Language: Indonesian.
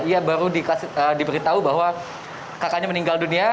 ia baru diberitahu bahwa kakaknya meninggal dunia